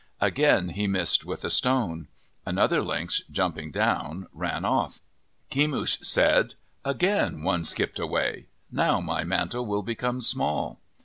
Again he missed with a stone. Another lynx, jumping down, ran off. Kemush said, " Again one skipped away. Now my mantle will become small."